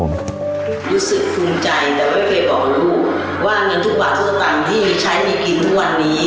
รู้สึกภูมิใจแต่ไม่เคยบอกลูกว่าเงินทุกบาททุกสตางค์ที่ใช้ในกินทุกวันนี้